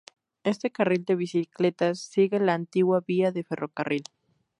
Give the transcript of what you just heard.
Este carril de bicicletas sigue la antigua vía del ferrocarril.